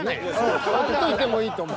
ほっといてもいいと思う。